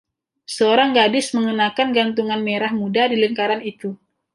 seorang gadis mengenakan gantungan merah muda di lingkaran itu.